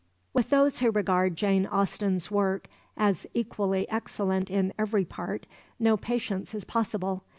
With those who regard Jane Austen's work as equally excellent in every part, no patience is possible.